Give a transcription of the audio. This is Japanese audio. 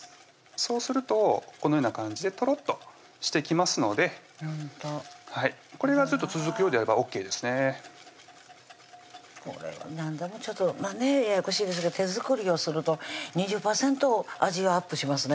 そうするとこのような感じでトロッとしてきますのでこれがずっと続くようであればＯＫですねこれは何でもちょっとねぇややこしいですけど手作りをすると２０％味がアップしますね